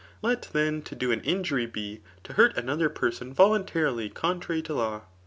Let then to do an injury be, to hurt another person volunla rfly contrary to law.